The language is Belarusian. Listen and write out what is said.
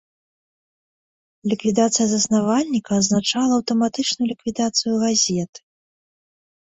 Ліквідацыя заснавальніка азначала аўтаматычную ліквідацыю і газеты.